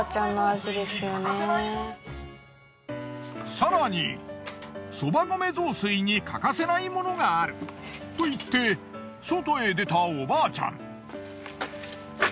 更にそば米雑炊に欠かせないものがあると言って外へ出たおばあちゃん。